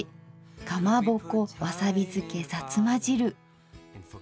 かまぼこわさびづけさつま汁。